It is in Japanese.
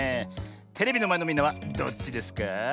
テレビのまえのみんなはどっちですか？